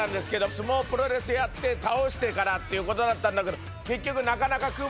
相撲プロレスやって倒してからっていうことだったんだけど結局。